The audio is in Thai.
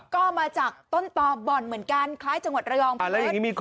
ก็มาจากต้นต่อบ่อนเหมือนกันคล้ายจังหวัดระยอง